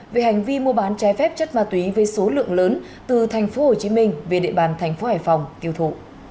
về hành vi mua bán trái phép chất ma túy với số lượng lớn từ tp hcm về địa bàn tp hcm tiêu thụ